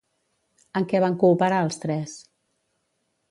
En què van cooperar els tres?